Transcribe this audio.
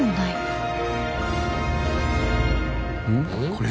これ？